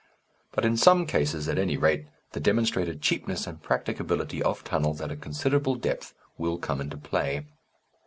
But in some cases, at any rate, the demonstrated cheapness and practicability of tunnels at a considerable depth will come into play.